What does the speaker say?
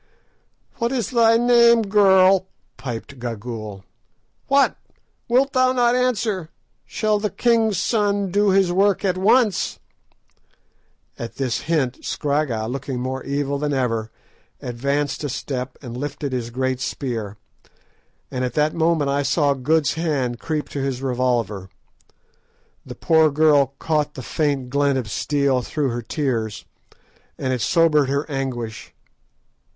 "What is thy name, girl?" piped Gagool. "What! wilt thou not answer? Shall the king's son do his work at once?" At this hint, Scragga, looking more evil than ever, advanced a step and lifted his great spear, and at that moment I saw Good's hand creep to his revolver. The poor girl caught the faint glint of steel through her tears, and it sobered her anguish.